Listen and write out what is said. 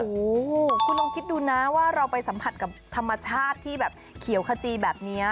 โอ้โหคุณลองคิดดูนะว่าเราไปสัมผัสกับธรรมชาติที่แบบเขียวขจีแบบนี้